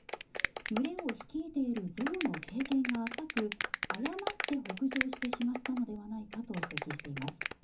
群れを率いている象の経験が浅く誤って北上してしまったのではないかと指摘しています。